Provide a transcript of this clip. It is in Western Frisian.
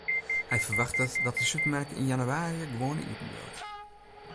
Hy ferwachtet dat de supermerk yn jannewaarje gewoan iepenbliuwt.